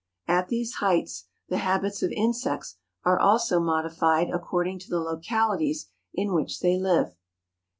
At these heights the habits of insects are also modified according to the localities in which they live.